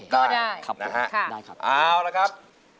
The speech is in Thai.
ได้นะครับ